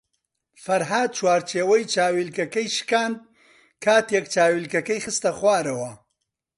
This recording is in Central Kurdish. فەرھاد چوارچێوەی چاویلکەکەی شکاند کاتێک چاویلکەکەی خستە خوارەوە.